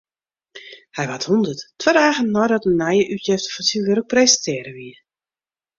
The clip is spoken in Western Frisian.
Hy waard hûndert, twa dagen neidat in nije útjefte fan syn wurk presintearre wie.